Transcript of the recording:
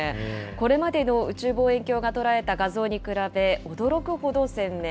これまでの宇宙望遠鏡が捉えた画像に比べ、驚くほど鮮明。